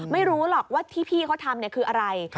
ไม่รู้หรอกว่าที่พี่เขาทำคืออะไร